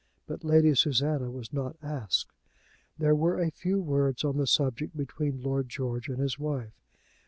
But Lady Susanna was not asked. There were a few words on the subject between Lord George and his wife.